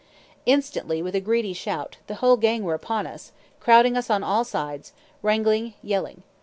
Instantly, with a greedy shout, the whole gang were upon us, crowding us on all sides, wrangling, yelling.